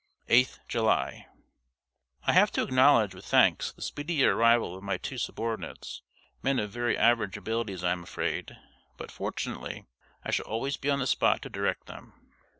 8th July. I have to acknowledge, with thanks, the speedy arrival of my two subordinates men of very average abilities, I am afraid; but, fortunately, I shall always be on the spot to direct them.